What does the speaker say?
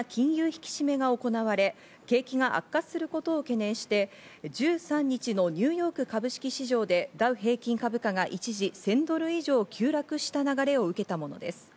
引き締めが行われ、景気が悪化することを懸念して、１３日のニューヨーク株式市場でダウ平均株価が一時１０００ドル以上急落した流れを受けたものです。